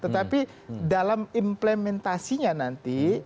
tetapi dalam implementasinya nanti